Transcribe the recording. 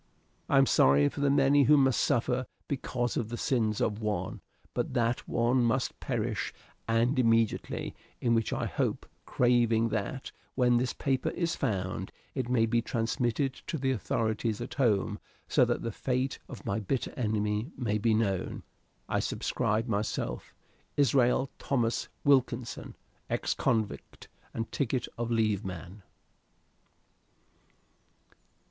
I am sorry for the many who must suffer because of the sins of one; but that one must perish, and immediately, in which hope, craving that, when this paper is found it may be transmitted to the authorities at home, so that the fate of my bitter enemy may be known, I subscribe myself, "ISRAEL THOMAS WILKINSON, "Ex Convict and Ticket of Leave Man."